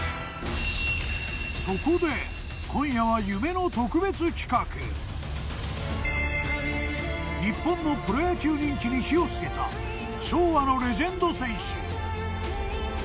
そこで今夜は日本のプロ野球人気に火をつけた昭和のレジェンド選手。